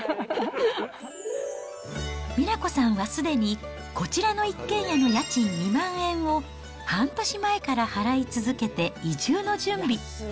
美奈子さんはすでに、こちらの一軒家の家賃２万円を半年前から払い続けて移住の準備。